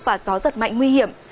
và gió giật mạnh nguy hiểm